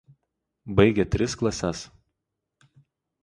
Baigė tris klases.